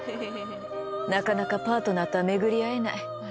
なかなかパートナーとは巡り会えない。